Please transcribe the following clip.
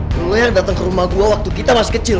dulu yang datang ke rumah gue waktu kita masih kecil